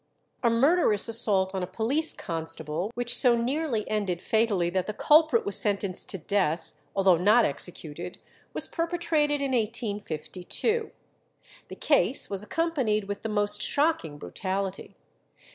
A murderous assault on a police constable, which so nearly ended fatally that the culprit was sentenced to death, although not executed, was perpetrated in 1852. The case was accompanied with the most shocking brutality.